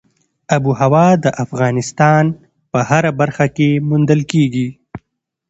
آب وهوا د افغانستان په هره برخه کې موندل کېږي.